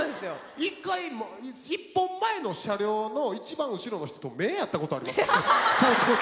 １回１本前の車両の一番後ろの人と目合ったことありますから。